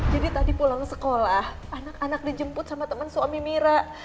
jadi tadi pulang sekolah anak anak dijemput sama temen suami mira